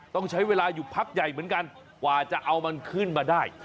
ต้องใช้เวลาอยู่พักใหญ่เหมือนกันกว่าจะเอามันขึ้นมาได้